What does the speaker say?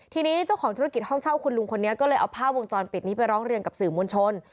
ทีนี้เจ้าของธุรกิจห้องเช่าคุณลุงคนนี้ก็เลยเอาภาพวงจรปิดนี้ไปร้องเรียนกับสื่อมวลชน